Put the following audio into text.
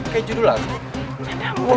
kayak judul lagu